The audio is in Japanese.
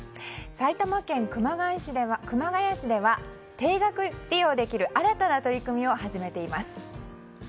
埼玉県熊谷市では定額利用できる新たな取り組みを始めています。